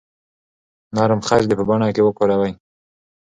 نرم خج دې په بڼه کې وکاروئ.